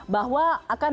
bahwa akan diselenggarakan